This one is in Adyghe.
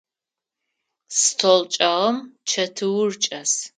Стол чӏэгъым чэтыур чӏэс.